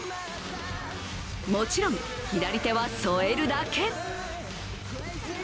もちろん、左手はそえるだけ。